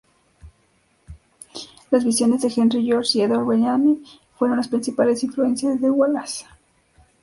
Las visiones de Henry George y Edward Bellamy fueron las principales influencias de Wallace.